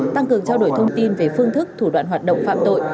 tăng cường trao đổi thông tin về phương thức thủ đoạn hoạt động phạm tội